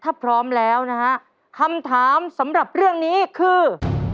ถ้าพร้อมแล้วนะฮะคำถามสำหรับเรื่องนี้คือ